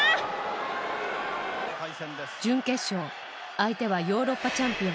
相手はヨーロッパチャンピオン。